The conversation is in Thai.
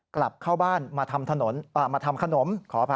กลับเข้าบ้านมาทำขนม